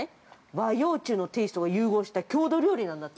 和洋中のテーストが融合した郷土料理なんだって。